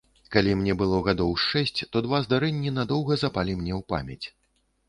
Калі мне было гадоў з шэсць, то два здарэнні надоўга запалі мне ў памяць.